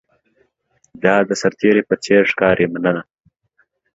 دا د ساتیرۍ په څیر ښکاري، مننه!